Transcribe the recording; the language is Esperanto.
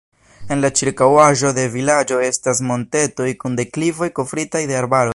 En la ĉirkaŭaĵo de vilaĝo estas montetoj kun deklivoj kovritaj de arbaroj.